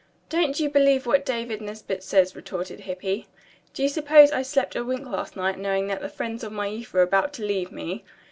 "Don't you believe what David Nesbit says," retorted Hippy. "Do you suppose I slept a wink last night knowing that the friends of my youth were about to leave me?"